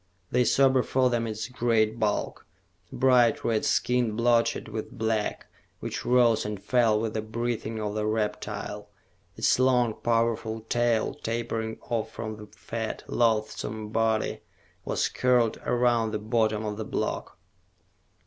They saw before them its great bulk, bright red skin blotched with black, which rose and fell with the breathing of the reptile. Its long, powerful tail, tapering off from the fat, loathsome body, was curled around the bottom of the block.